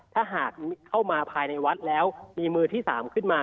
ถ้าหากเข้ามาภายในวัดแล้วมีมือที่๓ขึ้นมา